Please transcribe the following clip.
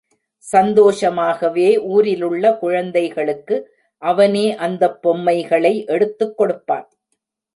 சந்தோஷமாகவே ஊரிலுள்ள குழந்தைகளுக்கு அவனே அந்தப் பொம்மைகளை எடுத்துக் கொடுப்பான்.